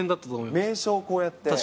名所をこうやって。